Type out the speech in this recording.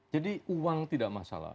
jadi uang tidak masalah